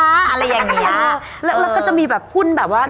ก็คือแล้วก็จะมีหุ้นแบบว่า